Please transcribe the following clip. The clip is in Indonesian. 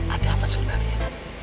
ada apa sebenarnya